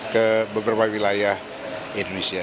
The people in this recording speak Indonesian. ke beberapa wilayah indonesia